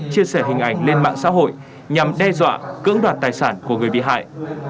chia sẻ hình ảnh lên mạng xã hội nhằm đe dọa cưỡng đoạt tài sản của người bị hại